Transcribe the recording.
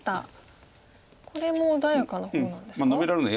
これも穏やかな方なんですか？